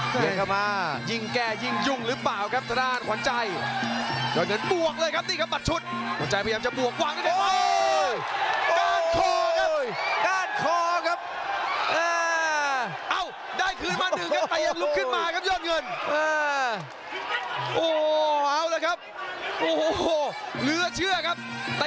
เย็นกลับมายิงแก่ยิงยุ่งหรือเปล่าครับตรงด้านขวัญใจ